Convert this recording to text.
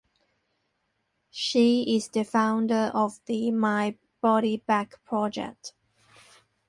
She is the founder of the My Body Back Project.